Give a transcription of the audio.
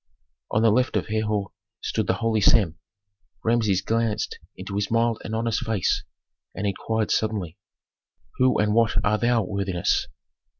On the left of Herhor stood the holy Sem. Rameses glanced into his mild and honest face and inquired suddenly, "Who and what art thou, worthiness?"